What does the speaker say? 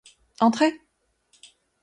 Entrez!